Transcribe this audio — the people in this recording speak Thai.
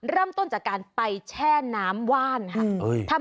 เริ่มต้นจากการไปแช่น้ำว่านค่ะ